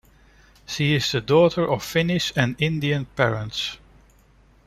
She is the daughter of Finnish and Indian parents.